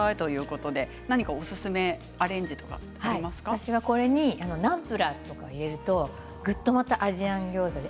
私はこれにナムプラーを入れるとぐっとアジアンギョーザに。